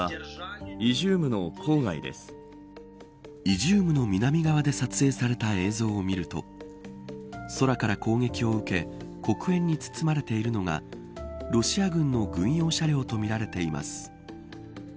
イジュームの南側で撮影された映像を見ると空から攻撃を受け黒煙に包まれているのがロシア軍の軍用車両とみられています。